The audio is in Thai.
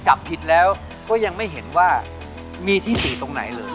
จับผิดแล้วก็ยังไม่เห็นว่ามีที่๔ตรงไหนเลย